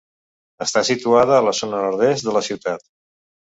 Està situada a la zona nord-oest de la ciutat.